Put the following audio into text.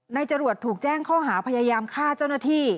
จรวดถูกแจ้งข้อหาพยายามฆ่าเจ้าหน้าที่